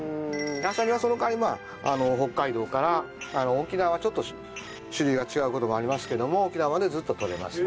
アサリはその代わり北海道から沖縄はちょっと種類が違う事もありますけども沖縄までずっと採れます。